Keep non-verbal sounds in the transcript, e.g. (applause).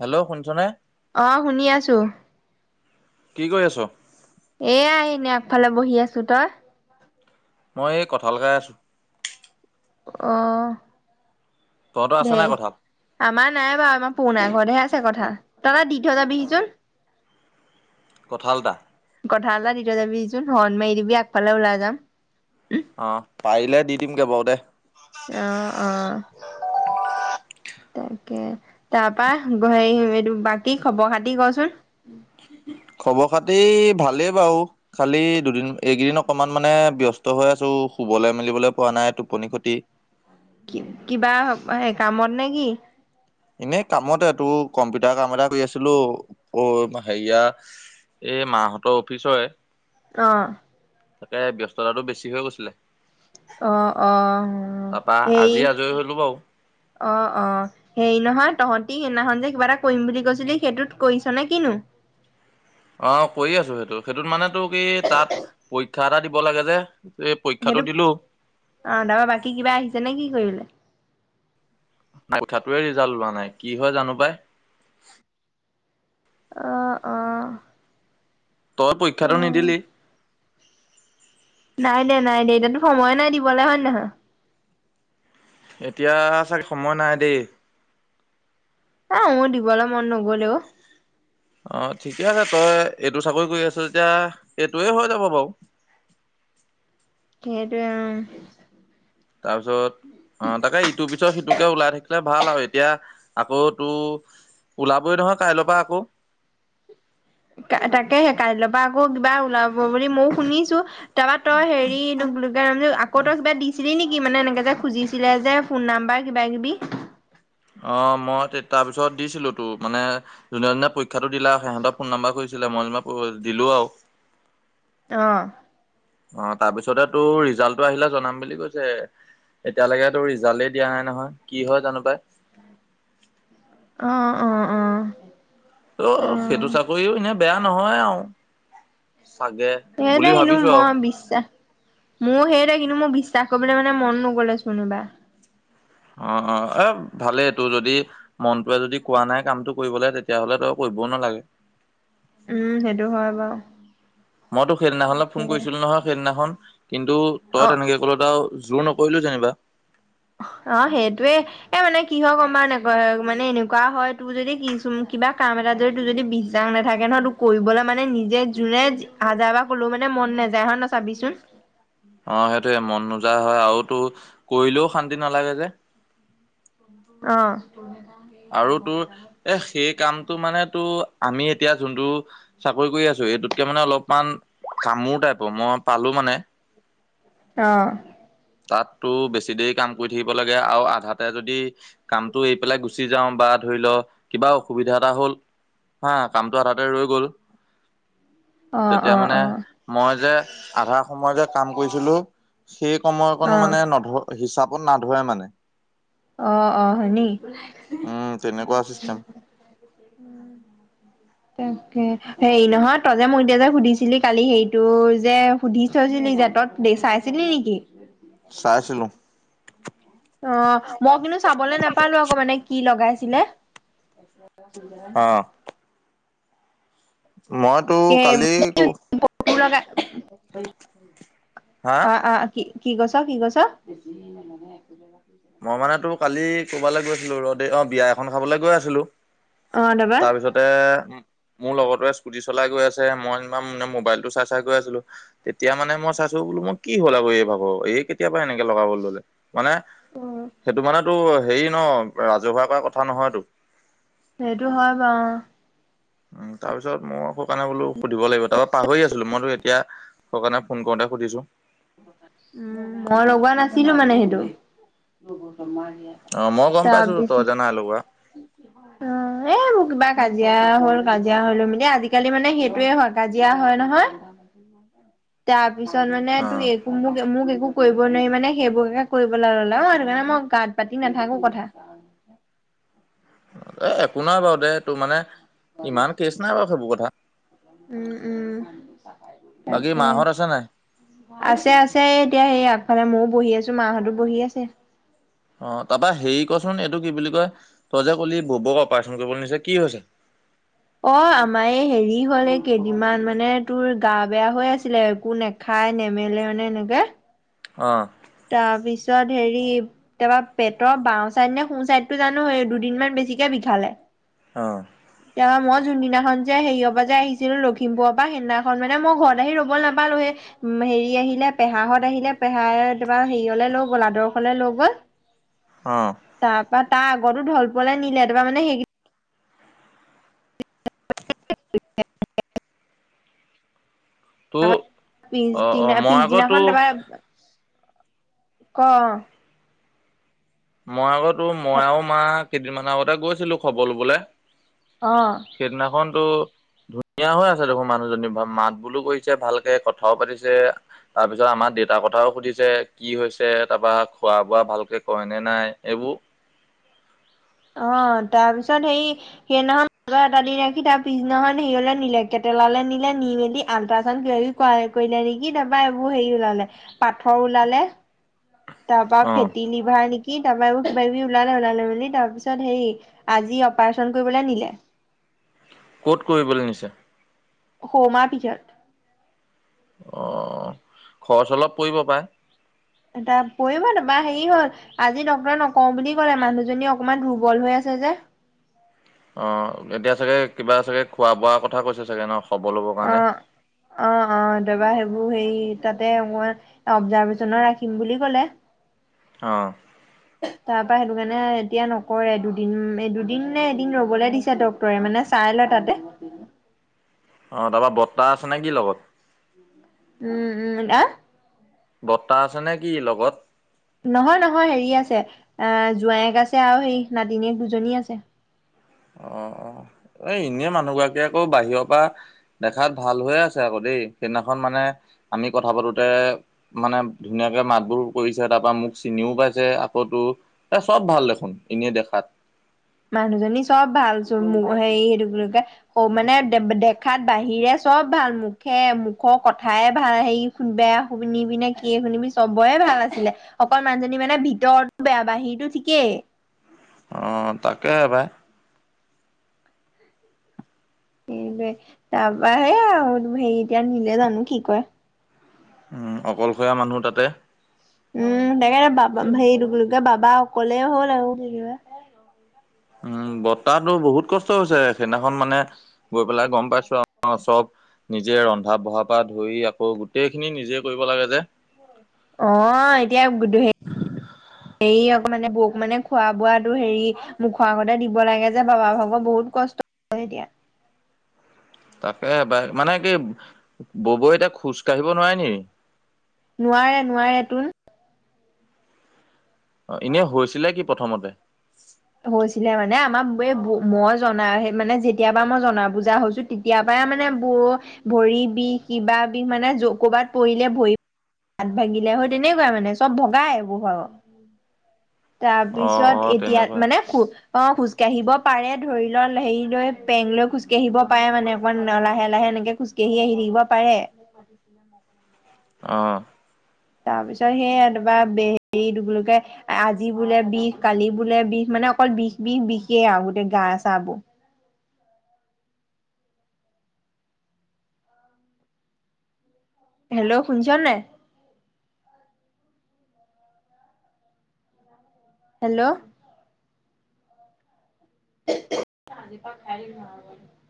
Hello শুনছ'নে? অ শুনি আছো কি কৰি আছ? এয়া ইনে আগফালে বহি আছো। তই? মই এই কঁঠালখাই আছোঁ। অ তহঁত আছে ধেই নাই কঁঠাল? আমাৰ নাই বাৱ আমাৰ পনা ঘৰতহে আছে কঠাল তই এটা দি থৈ যাবিহি চোন। কঁঠাল টা। কঠাল এটা দি থৈ যাবিহিচোন শৰণ মাৰি দিবি আগফালে ওলাই যাম। অঁহ পাৰিলে দি দিমগে বাউ দে। এ অ অঁহ। তাকে তাৰপা গ হেই এইটো বাকী খবৰ খাতি কচোন? খবৰ খাতি ভালেই বাউ খালি দুদিন এইকেইদিন অকমান মানে ব্যস্ত হৈ আছো শুবলে মেলিবলে পোৱা নাই টোপনি খতি। কি কিবা হে কামত নে কি? এনেই কামতে তোৰ কম্পিউটাৰ কাম এটা কৰি আছিলো অ হেয়া- এই মাহঁতৰ অফিচয়। অঁহ। তাতে ব্যস্ততাটো বেছি হৈ গৈছিলে। অ অ তাৰপা সেই আজি আজৰি হ'লো বাৰু। অ অ। হেৰি নহয় তহঁতি সেইনাখন যে কিবা এটা কইম বুলি কৈছিলি সেইটোত কৰিছ নে কিনো? অঁহ কই আছো সেইটো সেইটোত মানে তো কি তাত পৰীক্ষা এটা দিব লাগে যে এই‌ পৰীক্ষাটো দিলো। অহ তাৰপা বাকী কিবা আহিছে নে কি কৰিবলে? নাই কুঠাটোৱে ৰিজাল্ট ওলোৱা নাই কি হয় জানো পাই। অ অ তই পৰীক্ষাটো অ'। নিদিলি? নাই দিয়া নাই দিয়া এতিয়াতো সময়ে নাই দিবলে হয় নে নহয়। এতিয়া চাগে সময় নাই দেই। এ মোৰ দিবলে মন ন গ'লেও। অ ঠিকে আছে তই এইটো চাকই কৰি আছ যেতিয়া এইটোয়ে হৈ যাব বাউ। সেটোৱে উ তাৰপিছত অ তাকে ইটোৰ পিছত সিটোকে ওলাই থাকিলে ভাল আউ এতিয়া আকৌ তো ওলাবই নহয় কাইলৰ পা আকৌ। কা তাকেহে কাইলৈৰ পৰা আকৌ কিবা ওলাব বুলি মইও শুনিছো। তাৰপৰা তই হেৰি- কে ৰমযে আকৌ তই কিবা দিছিলি নিকি মানে এনেকে যে খুজিছিলে যে ফোন নাম্বাৰ কিবা কিবি? অঁহ মই তে তাৰপিছত দিছিলো তো মানে যোনে জোনে পৰীক্ষাটো দিলা সিহঁতৰ ফোন নাম্বাৰ খোজিছিলে মই যেনেবা প দিলো আউ। অ। অঁহ তাৰপিছতে তোৰ ৰিজাল্টটো আহিলে জনাম বুলি কৈছে। এতিয়ালেকে তোৰ ৰিজালেই দিয়া নাই নহয় কি হয় জানো পাই। অ অ অ। অঁহ সেইটো অ'। চাকইও এনেই বেয়া নহয় আউ সেইটোৱে এনো ভাবিছো আৰু মই বিশ্বাস মোৰো সেইটোৱেই কিন্তু মোৰ বিশ্বাস কৰিবলে মানে মন নগ'লে চুনুবা। অ অ এ ভালেই টোৰ যদি মনটোৱে যদি কোৱা নাই কামটো কৰিবলে তেতিয়া হ'লে তই কৰিবও নালাগে। উম সেইটো হয় বাউ। মই তোক সেইদিনাখনত ফোন কৰিছিলো নহয় সেইদিনাখন কিন্তু অ তই তেনেকে ক'লত আউ জোৰ নকৰিলোঁ যেনিবা। অ', সেইটোৱে। এ মানে কি হয় গ'ম পাৱ নে নাই, মানে এনেকুৱা হয় তোৰ যদি কিছু কিবা কাম এটা যদি তোৰ যদি বিশ্বাস নাথাকে নহয় তোক কৰিবলৈ মানে নিজে যোনে হাজাৰ বাৰ ক'লেও মানে মন নাযায় হয় নে নহয় চাবিচোন। অ', সেইটোয়ে মন নোযা হয় আৰু তোৰ কৰিলেও শান্তি নালাগে যে। অ'। আৰু তোৰ এ সেই কামটো মানে তোৰ আমি এতিয়া যোনটো চাকৰি কৰি আছো, এইটোতকে মানে অলপমান কামোৰ টাইপৰ, মই পালো মানে। অ'। তাত তোৰ বেছি দেৰি কাম কৰি থাকিব লাগে আৰু আধাতে যদি কামটো এৰি পেলাই গুচি যাওঁ বা ধৰি লও কিবা অসুবিধা এটা হ'ল হা কামটো আধাতে ৰৈ গ'ল। অ', তেতিয়া অ', মানে অ'। মই যে আধা সময় যে কাম কৰিছিলো, সেই সময় কোনো অ অ মানে নধ হিচাপত নাধৰে মানে। অ', অ', হয়নি? উম তেনেকুৱা চিষ্টেম (inaudible) তাকে, হেৰি নহয় তই যে মোক এতিয়া যে সুধিছিলি কালি হেৰিটো যে সুধি থৈছিলি যে, তই দেই চাইছিলি নেকি? চাইছিলো। অ', মই কিন্তু চাবলৈ নাপালো আকৌ মানে কি লগাইছিলে। অ'। মই (unintelligible) হা অ', অ'। কি, কি কৈছ কি কৈছ? (unintelligible) মই মানে তোৰ কালি কবালৈ গৈ আছিলো, ৰ'দেই অ', বিয়া এখন খাবলৈ গৈ আছিলো। অ তাৰপা তাৰপিছতে মোৰ লগৰটোৱে স্কুটি চলাই গৈ আছে, মই (unintelligible) মোবাইলটো চাই চাই গৈ আছিলো। তেতিয়া মানে মই চাইছো বোলো মই কি হ'ল আৰু এই ভাগৰ, এই কেতিয়া পা এনেকে লগাব ল'লে? মানে উম। সেইটো মানে তোৰ হেৰি ন', ৰাজহুৱা কৰা কথা নহয়তো। সেইটো হয় বাৰু। উম, তাৰপিছত মোৰ আকৌ কাৰণে বোলো সুধিব লাগিব, তাৰপৰা পাহৰি আছিলো, মইতো এতিয়া সেইকাৰণে ফোন কৰোতে সুধিছো। উম, মই লগোৱা নাছিলো মানে সেইটো। অ', মই গ'ম পাইছো তই তাৰপিছত যে নাই লগোৱা। অ এ কিবা কাজিয়া হ'ল, কাজিয়া হৈ লৈ মেলি, আজিকালি মানে সেইটোৱে হয় কাজিয়া হয় নহয় তাৰপিছত মানে অ তোৰ এ মোক মোক একো কৰিব নোৱাৰি মানে সেইবোৰকে কৰিব ল'লে। অ', সেইটো কাৰণে মই গাত পাতি নাথাকো কথা। এ একো নাই বাৰু দে তোৰ মানে ইমান কেচ নাই বাৰু সেইবোৰ কথা। উম উম বাকী তাকে মা হত আছে নাই? আছে আছে, এতিয়া সেই আগফালে মইয়ো বহি আছো, মাহঁতো বহি আছে। অ', তাৰপৰা হেৰি কচোন, এইটো কি বুলি কয় তই যে কলি বৰবৌক অপাৰচন কৰিবলৈ নিছে, কি হৈছে? অ', আমাৰ এই হেৰি হ'ল, এই কেইদিনমান মানে তোৰ গা বেয়া হৈ আছিলে। একো নে খাই নেমেলে মানে এনেকে। অ। তাৰপিছত হেৰি, তাৰপৰা পেটৰ বাওঁ চাইড নে সো চাইডতো জানো দুদিনমান বেছিকে বিষালে। অ কেতিয়াবা মই যোনদিনাখন যে হেৰিয়ৰ পৰা যে আহিছিলো লখিমপুৰৰ পৰা, সেইদিনাখন মানে মই ঘৰত আহি ৰ'ব নাপালোৱে। উম হেৰি আহিলে পেহাহত আহিলে, পেহাই কেতিয়াবা হেৰিয়লে লৈ গ'ল, আদৰ্শলে লৈ গ'ল। অঁ। তাৰপৰা তাৰ আগতো ঢল পুৱাতে নিলে, তোমাৰ মানে সেই (inaudible) (inaudible) আমাৰ অ অ পিছদিনা মই আকৌ তো পিছদিনাখন তাৰ পৰা ক অ মই আকৌ তোৰ মই আৰু মা কেইদিনমানৰ আগতে গৈছিলো খবৰ ল'বলৈ অ সেইদিনাখনতো ধুনীয়া হৈ আছে দেখোন মানুহজনী মাত বোলো কৰিছে ভালকে কথাও পাতিছে। তাৰপিছত আমাৰ দেউতাৰ কথাও সুধিছে কি হৈছে তাৰপৰা খোৱা-বোৱা ভালকে কৰে নে নাই এইবোৰ অ তাৰপিছত সেই সেইদিনাখন মাজত এটা দিন ৰাখি তাৰ পিছদিনাখন সেৰিয়লে নিলে কেটেলালৈ নিলে নি মেলি আল্ট্ৰাজান কিবা-কিবি কৰাই কৰিলে নেকি তাৰ পৰা এইবোৰ হেৰি ওলালে পাথৰ ওলালে তাৰ পৰা অ ফেটি লিভাৰ নেকি কি তাৰ পৰা এইবোৰ কিবা-কিবি ওলালে ওলালে মেলি তাৰপিছত হেই আজি অপাৰেশ্যন কৰিবলৈ নিলে ক'ত কৰিবলৈ নিছে হৌমাৰ পিজত অ খৰচ অলপ পৰিব পাৰে। এটা পৰিব তাৰ পৰা হেৰি হ'ল আজি ডক্তৰে নকওঁ বুলি ক'লে মানুহজনী অকমান দুৰ্বল হৈ আছে যে। অ এতিয়া চাগে কিবা চাগে খোৱা বোৱাৰ কথা কৈছে চাগে ন খবৰ ল'বৰ কাৰণে অ অ অ তাৰ পৰা সেইবোৰ হেই তাতে মই অপজাৰ্ভেশ্বনত ৰাখিম বুলি ক'লে অঁ তাৰ পৰা সেইটো কাৰণে এতিয়া ন'কৰে দুদিন এ দুদিন নে এদিন ৰ'বলে দিছে ডক্ত তৰে মানে চাই লয় তাতে অ তাৰ পৰা বৰ্তা আছে নে কি লগত উম উম এ বৰ্তা আছে নে কি লগত? নহয় নহয় হেৰি আছে এ জোঁৱায়েক আছে আৰু হেৰি নাতিনীয়েক দুজনী আছে। অ অ এ এনেই মানুহ গৰাকী আকৌ বাহিৰৰ পৰা দেখাত ভাল হৈ আছে আকৌ দেই সেইদিনাখন মানে আমি কথা পাতোটে মানে ধুনীয়াকে মাত-বোল কৰিছে তাৰ পৰা মোক চিনিও পাইছে আকৌ তোৰ এ চব ভাল দেখোন এনেই দেখাত মানুহজনী চব ভাল চোন হেৰি সেইটো কি বুলি কয় অ মানে দে দেখাত বাহিৰে চব ভাল মুখে মুখৰ কথাই ভাল হেৰি বেয়া শুনিবি নে কিয়ে শুনিবি চবৰে ভাল আছিলে। অকল মানজনী মানে ভিতৰত বেয়া বাহিৰটো ঠিকেই। অ' তাকে পাই। সেইটোৱে, তাৰপা সেই আ হেৰি এতিয়া নিলে জানো কি কয়। উম অকলশৰীয়া মানুহ তাতে। উম, যেনেকে হেৰি এইটো কি বুলি কয় বাবা অকলে হ'ল আৰু যেনিবা। উম, বৰ্তাটোৰ বহুত কষ্ট হৈছে। সেইদিনাখন মানে গৈ পেলাই গম পাইছো আৰু চব নিজে ৰন্ধা-বঢ়াৰ পৰা ধৰি আকৌ গোটেইখিনি নিজে কৰিব লাগে যে। অ' এতিয়া হেৰি আক' মানে বৌক মানে খোৱা বোৱাটো হেৰি মুখৰ আগতে দিব লাগে যে বাবা ভাগৰ বহুত কষ্ট হ'য় এতিয়া। তাকে বা মানে কি ববই এতিয়া খোজ কাঢ়িব নোৱাৰে নি? নোৱাৰে নোৱাৰে তোন। অ' ইনেই হৈছিলে কি প্ৰথমতে? হৈছিলে মানে আমাৰ এই ব, মই জনা মানে যেতিয়াৰ পৰা মই জনা বুজা হৈছো। তেতিয়াৰ পৰাই মানে বৌ ভৰি বিষ, কিবা বিষ মানে ক'বাত পৰিলে ভৰি হাত ভাগিলে হয়, তেনেকুৱাই মানে চব ভগাই বৌ ভাগ। অ অ তাৰপিছত এতিয়া তেনেকুৱা মানে (unintelligible) অ' খোজকাঢ়িব পাৰে ধৰি ল'। হেৰি লৈ পেং লৈ খোজকাঢ়িব পাৰে মানে অকণমান লাহে লাহে এনেকে খোজ কেহী আহি থাকিব পাৰে। (inaudible) অ' তাৰপিছত সেইয়া (unintelligible) কয়। আজি বোলে বিষ, কালি বোলে বিষ। মানে অকল বিষ বিষ বিষেই আ গোটেই গা চা বোৰ। হেল্ল' শুনিছ নাই। হেল্ল' (unintelligible)